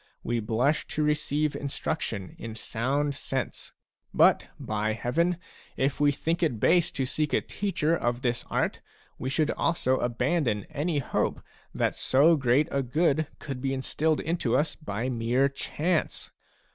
We blush to receive in struction in sound sense ; but, by Heaven, if we think it base to seek a teacher of this art, we should also abandon any hope that so great a good could be instilled into us by mere chance.